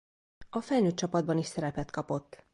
A felnőtt csapatban is szerepet kapott.